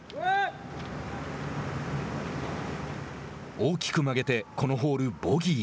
大きく曲げてこのホール、ボギー。